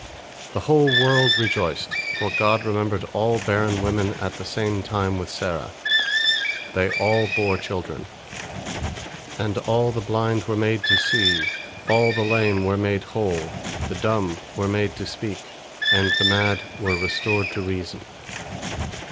The whole world rejoiced, for God remembered all barren women at the same time with Sarah. They all bore children. And all the blind were made to see, all the lame were made whole, the dumb were made to speak, and the mad were restored to reason.